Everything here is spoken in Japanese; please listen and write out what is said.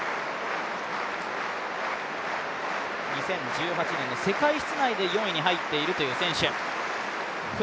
２０１８年の世界室内で４位に入っている選手。